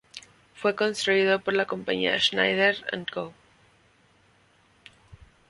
Fue construido por la Compañía Schneider y Co.